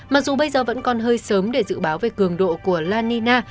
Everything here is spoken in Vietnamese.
mặc dù bây giờ vẫn còn hơi sớm để dự báo về cường độ của la nina